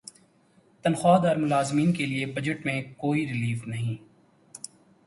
تنخواہ دار ملازمین کے لیے بجٹ میں کوئی ریلیف نہیں